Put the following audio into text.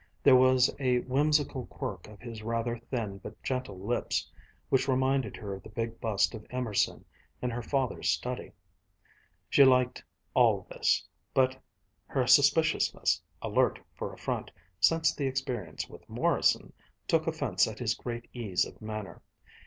There was a whimsical quirk of his rather thin but gentle lips which reminded her of the big bust of Emerson in her father's study. She liked all this; but her suspiciousness, alert for affront, since the experience with Morrison, took offense at his great ease of manner.